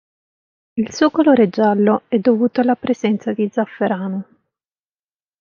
Il suo colore giallo è dovuto alla presenza di zafferano.